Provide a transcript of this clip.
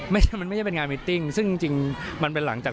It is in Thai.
มันไม่ได้เป็นงานมิตต์ต้ิงซึ่งจริงเนี่ยมันเป็นหลังจาก